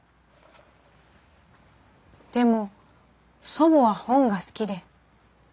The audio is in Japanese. でも祖母は本が好きで。